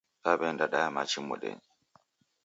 Daw'eenda daya machi modenyi.